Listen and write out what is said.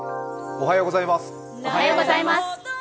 おはようございます。